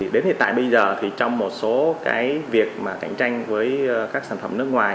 đến hiện tại bây giờ thì trong một số việc cạnh tranh với các sản phẩm nước ngoài